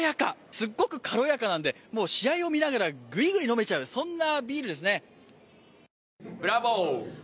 すっごく軽やかなんで、試合をみながらぐいぐい飲めちゃうそんなビールですね。